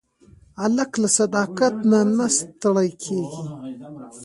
هلک له صداقت نه نه ستړی کېږي.